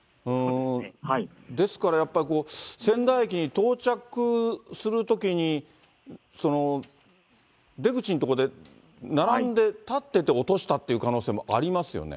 ですからやっぱり、仙台駅に到着するときに、出口のとこで並んで立ってて落としたっていう可能性もありますよ